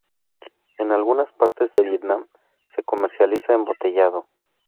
En algunas partes de Vietnam se comercializa embotellado.